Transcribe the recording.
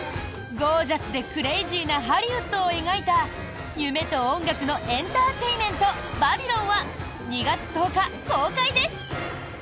ゴージャスでクレージーなハリウッドを描いた夢と音楽のエンターテインメント「バビロン」は２月１０日公開です！